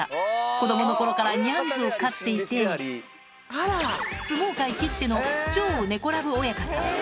子どものころからニャンズを飼っていて、相撲界きっての超猫ラブ親方。